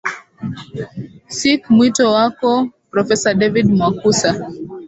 sic mwito wako profesa david mwaqusa